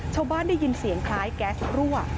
ชาวบ้านได้ยินเสียงคล้ายแก๊สรั่ว